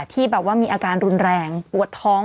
ที่แบบว่ามีอาการรุนแรงปวดท้อง